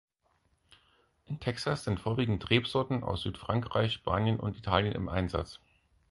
In Texas sind vorwiegend Rebsorten aus Südfrankreich, Spanien und Italien im Einsatz.